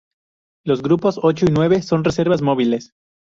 Los grupos ocho y nueve son reservas móviles.